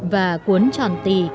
và cuốn tròn tỳ